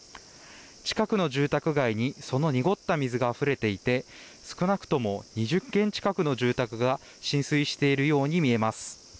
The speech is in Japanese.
近くの住宅街にその濁った水があふれていて少なくとも２０軒近くの住宅が浸水しているように見えます。